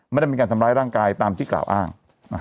ไม่ได้มีการทำร้ายร่างกายตามที่กล่าวอ้าง